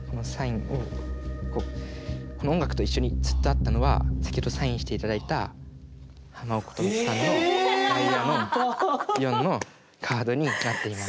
この音楽と一緒にずっとあったのは先ほどサインして頂いたハマ・オカモトさんのダイヤの４のカードになっています。